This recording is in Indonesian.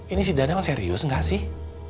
ini si dada kan serius nggak sih